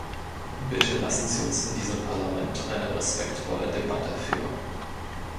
Bitte lassen Sie uns in diesem Parlament eine respektvolle Debatte führen.